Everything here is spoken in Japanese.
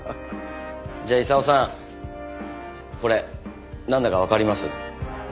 じゃあ功さんこれなんだかわかります？